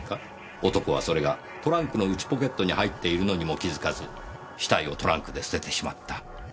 男はそれがトランクの内ポケットに入っているのにも気づかず死体をトランクで捨ててしまった。